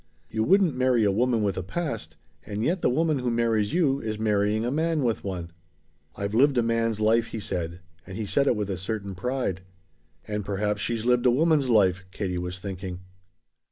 You wouldn't marry a woman with a past, and yet the woman who marries you is marrying a man with one." "I've lived a man's life," he said. And he said it with a certain pride. "And perhaps she's lived a woman's life," Katie was thinking.